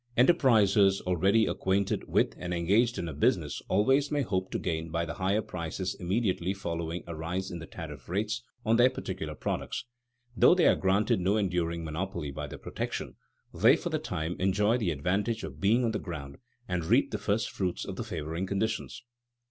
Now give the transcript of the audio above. _ Enterprisers already acquainted with and engaged in a business always may hope to gain by the higher prices immediately following a rise in the tariff rates on their particular products. Though they are granted no enduring monopoly by the protection, they for the time enjoy the advantage of being on the ground and reap the first fruits of the favoring conditions.